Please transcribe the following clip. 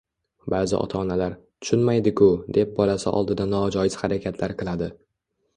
Ba'zi ota-onalar “Tushunmaydi-ku”, deb bolasi oldida nojoiz harakatlar qiladi.